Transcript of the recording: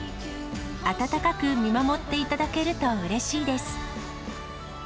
温かく見守っていただけるとうれしいです。